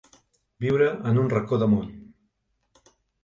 Viure en un racó de món.